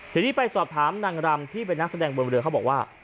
ทีนี้ไปสอบถามนางรำที่เป็นนักแสดงบนเรือเขาบอกว่า